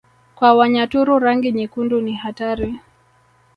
Kwa Wanyaturu rangi nyekundu ni hatari